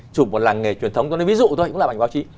chụp một làng nghề truyền thống tôi lấy ví dụ tôi cũng làm ảnh báo chí